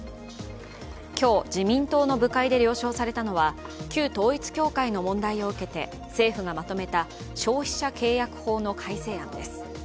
今日、自民党の部会で了承されたのは旧統一教会の問題を受けて政府がまとめた消費者契約法の改正案です。